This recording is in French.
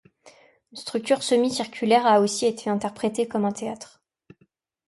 Une structure semi-circulaire a aussi été interprétée comme un théâtre.